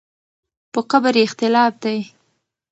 په قبر یې اختلاف دی.